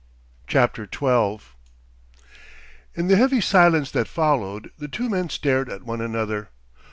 CHAPTER TWELVE In the heavy silence that followed, the two men stared at one another.